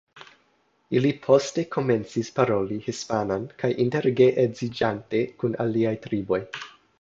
Ili poste komencis paroli hispanan kaj inter-geedziĝante kun aliaj triboj.